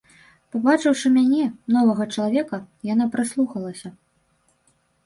Пабачыўшы мяне, новага чалавека, яна прыслухалася.